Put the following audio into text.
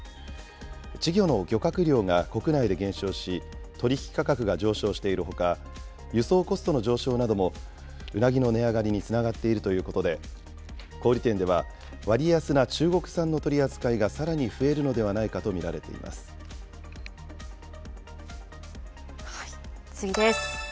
稚魚の漁獲量が国内で減少し、取引価格が上昇しているほか、輸送コストの上昇なども、うなぎの値上がりにつながっているということで、小売り店では、割安な中国産の取り扱いがさらに増えるのではないかと見られてい次です。